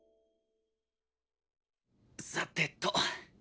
さてと。